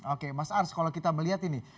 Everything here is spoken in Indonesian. oke mas ars kalau kita melihat ini